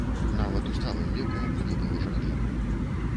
Нават у сталым веку мне было жахліва.